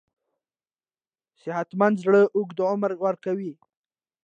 صحتمند زړه اوږد عمر ورکوي.